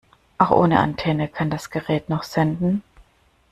Auch ohne Antenne kann das Gerät noch senden.